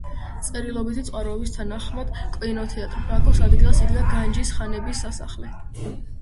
წერილობითი წყაროების თანახმად კინოთეატრ „ბაქოს“ ადგილას იდგა განჯის ხანების სასახლე.